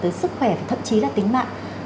tới sức khỏe và thậm chí là tính mạng